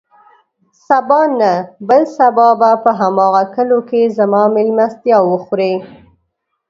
سبا نه، بل سبا به په هماغه کليو کې زما مېلمستيا وخورې.